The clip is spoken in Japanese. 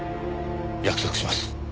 約束します。